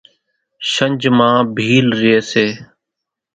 شنجھ مان ڀيل ريئيَ سي۔